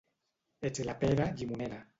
Ets la pera, llimonera.